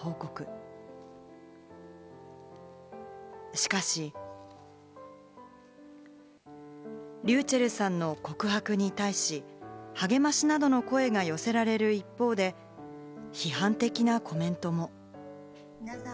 しかし、ｒｙｕｃｈｅｌｌさんの告白に対し、励ましなどの声が寄せられる一方で、批判的なコメントも。